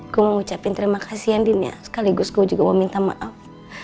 gue mau ucapin terima kasih ya din ya sekaligus gue juga mau minta maaf